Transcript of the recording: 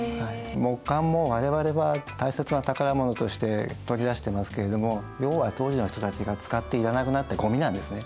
木簡も我々は大切な宝物として取り出してますけれども要は当時の人たちが使っていらなくなったゴミなんですね。